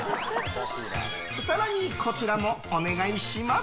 更に、こちらもお願いします。